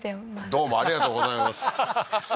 どうもありがとうございますははははっ